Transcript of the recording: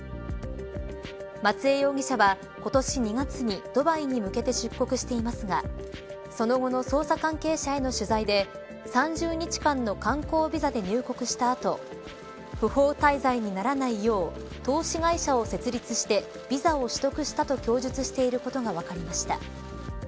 松江容疑者は今年２月にドバイに向けて出国していますがその後の捜査関係者への取材で３０日間の観光ビザで入国した後不法滞在にならないよう投資会社を設立してビザを取得したと供述していることが分かりました。